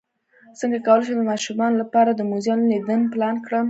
څنګه کولی شم د ماشومانو لپاره د موزیم لیدنه پلان کړم